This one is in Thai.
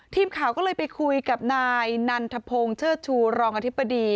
ทีมข่าวก็เลยไปคุยกับนายนันทพงศ์เชิดชูรองอธิบดี